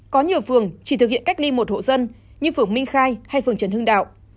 có nhiều phường chỉ thực hiện cách ly một hộ dân như phường minh khai hay phường trần hưng đạo